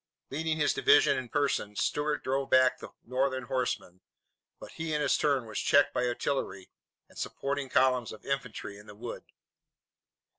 Leading his division in person, Stuart drove back the Northern horsemen, but he in his turn was checked by artillery and supporting columns of infantry in the wood.